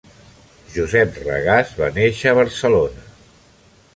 Josep Regàs va néixer a Barcelona.